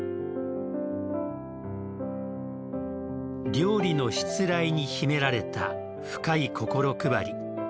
料理のしつらいに秘められた深い心配り。